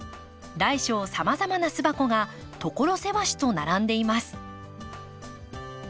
大小さまざまな巣箱が所狭しと並んでいます。